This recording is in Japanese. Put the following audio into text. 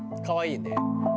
かわいいね。